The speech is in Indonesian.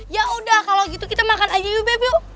ya udah kalau gitu kita makan aja yuk beb